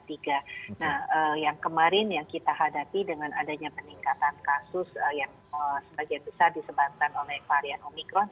nah yang kemarin yang kita hadapi dengan adanya peningkatan kasus yang sebagian besar disebabkan oleh varian omikron